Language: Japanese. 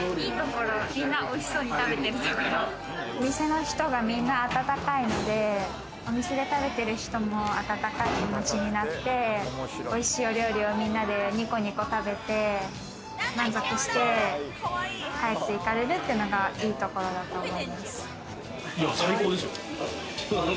みんなおいしそうに食べてるところ、お店の人がみんな温かいので、お店で食べてる人も温かい気持ちになって、おいしいお料理をみんなでニコニコ食べて満足して帰っていかれるっていうのがいいところだ最高ですよ。